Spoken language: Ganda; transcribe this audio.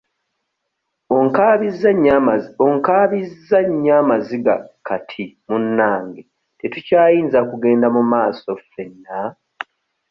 Onkaabizza nnyo amaziga kati munnange tetukyayinza kugenda mu mmaaso ffenna?